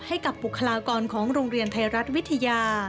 ให้กับบุคลากรของโรงเรียนไทยรัฐวิทยา